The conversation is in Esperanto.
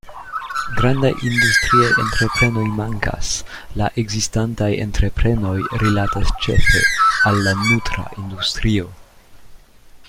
Grandaj industriaj entreprenoj mankas; la ekzistantaj entreprenoj rilatas ĉefe al la nutra industrio.